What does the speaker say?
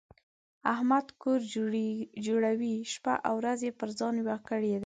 احمد کور جوړوي؛ شپه او ورځ يې پر ځان یوه کړې ده.